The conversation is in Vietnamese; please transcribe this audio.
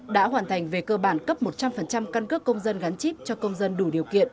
đã hoàn thành về cơ bản cấp một trăm linh căn cước công dân gắn chip cho công dân đủ điều kiện